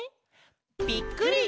ぴっくり！